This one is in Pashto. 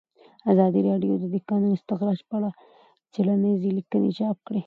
ازادي راډیو د د کانونو استخراج په اړه څېړنیزې لیکنې چاپ کړي.